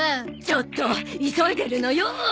ちょっと急いでるのよ。